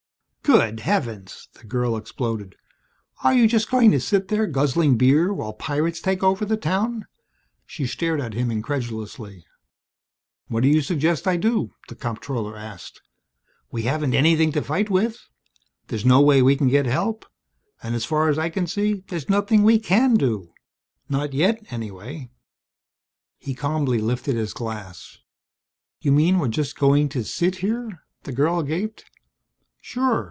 "Good heavens!" the girl exploded. "Are you just going to sit there guzzling beer while pirates take over the town?" She stared at him incredulously. "What do you suggest I do?" the comptroller asked. "We haven't anything to fight with. There's no way we can get help. As far as I can see there's nothing we can do not yet anyway." He calmly lifted his glass. "You mean we're just going to sit here?" the girl gaped. "Sure.